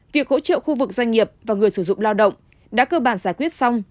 việc hỗ trợ khu vực doanh nghiệp và người sử dụng lao động đã cơ bản giải quyết xong